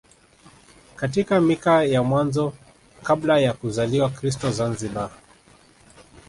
Katika mika ya mwanzo kabla ya kuzaliwa Kristo Zanzibar